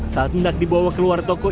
saat mendak dibawa keluar toko